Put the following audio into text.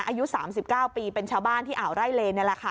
อายุ๓๙ปีเป็นชาวบ้านที่อ่าวไร่เลนี่แหละค่ะ